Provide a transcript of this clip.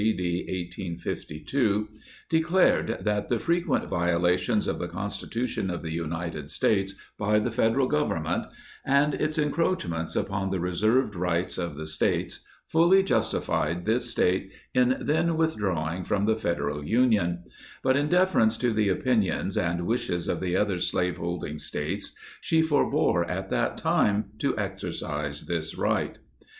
D., 1852, declared that the frequent violations of the Constitution of the United States, by the Federal Government, and its encroachments upon the reserved rights of the States, fully justified this State in then withdrawing from the Federal Union; but in deference to the opinions and wishes of the other slaveholding States, she forbore at that time to exer cise this right.